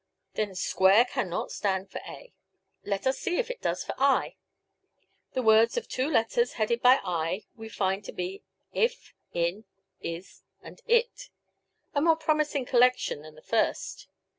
Then [] can not stand for a. Let us see if it does for i. The words of two letters headed by i we find to be if, in, is and it. A more promising collection than the first.